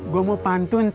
gua mau pantun tat